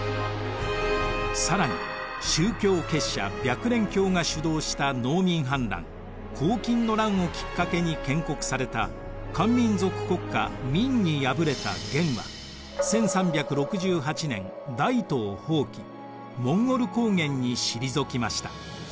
更に宗教結社白蓮教が主導した農民反乱紅巾の乱をきっかけに建国された漢民族国家明にやぶれた元は１３６８年大都を放棄モンゴル高原に退きました。